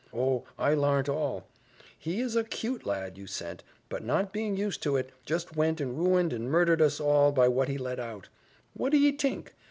Oh! I larnt all. He is a 'cute lad you sent, but not being used to it, just went and ruined and murdered us all by what he let out! What do ye tink?